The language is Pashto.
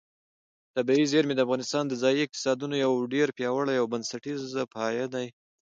طبیعي زیرمې د افغانستان د ځایي اقتصادونو یو ډېر پیاوړی او بنسټیز پایایه دی.